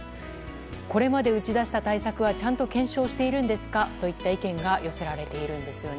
これまで打ち出した対策はちゃんと検証してるんですかなど意見が寄せられているんですよね。